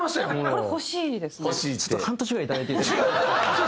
ちょっと半年ぐらいいただいていいですか？